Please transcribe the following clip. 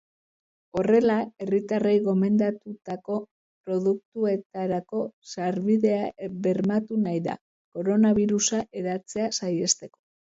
Horrela, herritarrei gomendatutako produktuetarako sarbidea bermatu nahi da, koronabirusa hedatzea saihesteko.